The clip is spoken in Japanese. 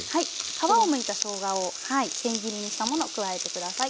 皮をむいたしょうがをはいせん切りにしたものを加えて下さい。